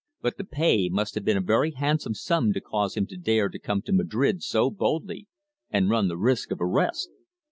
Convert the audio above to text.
But the pay must have been a very handsome sum to cause him to dare to come to Madrid so boldly and run the risk of arrest.